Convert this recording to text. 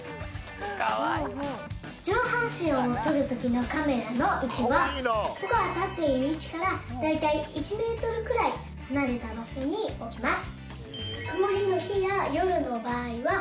上半身を撮る時のカメラの位置は僕が立っている位置から大体１ｍくらい離れた場所に置きます。